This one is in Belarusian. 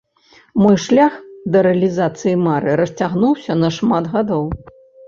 Мой шлях да рэалізацыі мары расцягнуўся на шмат гадоў.